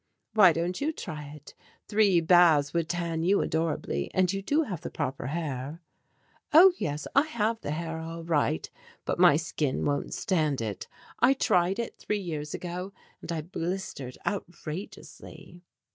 "Why don't you try it? Three baths would tan you adorably and you do have the proper hair." "Oh, yes, I have the hair, all right, but my skin won't stand it. I tried it three years ago and I blistered outrageously."